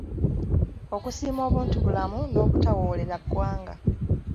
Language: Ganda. Okusiima obuntubulamu n’obutawoolera ggwanga